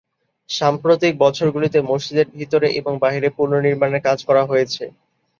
সাম্প্রতিক বছরগুলিতে মসজিদের ভিতরে এবং বাইরে পুনর্নির্মাণের কাজ করা হয়েছে।